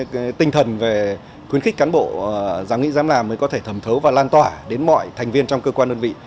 cái tinh thần về khuyến khích cán bộ dám nghĩ dám làm mới có thể thẩm thấu và lan tỏa đến mọi thành viên trong cơ quan đơn vị